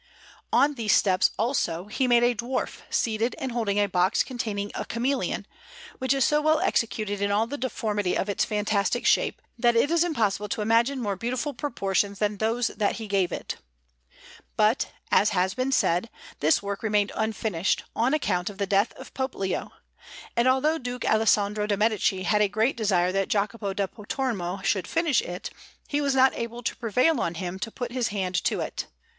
On these steps, also, he made a dwarf seated and holding a box containing a chameleon, which is so well executed in all the deformity of its fantastic shape, that it is impossible to imagine more beautiful proportions than those that he gave it. But, as has been said, this work remained unfinished, on account of the death of Pope Leo; and although Duke Alessandro de' Medici had a great desire that Jacopo da Pontormo should finish it, he was not able to prevail on him to put his hand to it.